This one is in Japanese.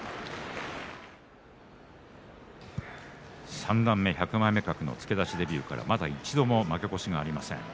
三段目１００枚目格付け出しのデビューからまだ負け越しがありません。